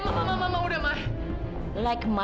oleh karena muslim